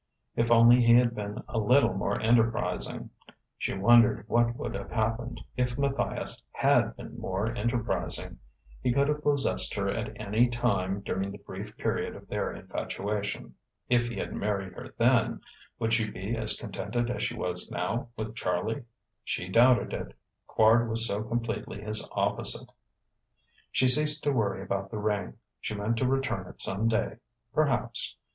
If only he had been a little more enterprising.... She wondered what would have happened if Matthias had been more enterprising; he could have possessed her at any time during the brief period of their infatuation. If he had married her then, would she be as contented as she was now, with Charlie? She doubted it; Quard was so completely his opposite.... She ceased to worry about the ring. She meant to return it some day, perhaps.